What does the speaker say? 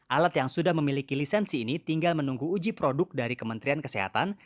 alat yang sudah memiliki lisensi ini tinggal menunggu uji produk dari kementerian kesehatan